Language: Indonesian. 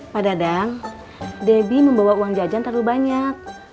pak dadang debbie membawa uang jajan terlalu banyak